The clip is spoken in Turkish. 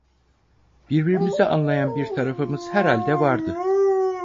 Birbirimizi anlayan bir tarafımız herhalde vardı.